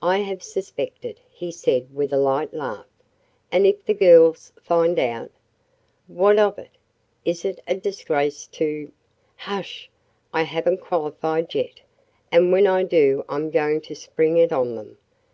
"I have suspected," he said with a light laugh. "And if the girls find out?" "What of it? Is it a disgrace to " "Hush! I haven't qualified yet, and when I do I'm going to spring it on them."